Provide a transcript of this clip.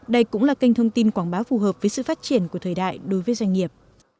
đây cũng là kênh thông tin quảng bá phù hợp với sự phát triển của thời đại đối với doanh nghiệp